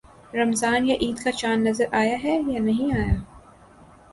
رمضان یا عید کا چاند نظر آیا ہے یا نہیں آیا؟